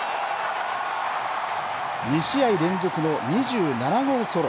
２試合連続の２７号ソロ。